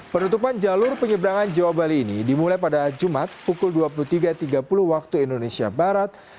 penutupan jalur penyeberangan jawa bali ini dimulai pada jumat pukul dua puluh tiga tiga puluh waktu indonesia barat